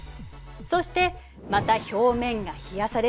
そしてまた表面が冷やされる。